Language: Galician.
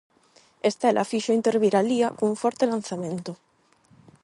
Estela fixo intervir a Lía cun forte lanzamento.